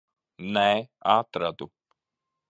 Nē, atradu.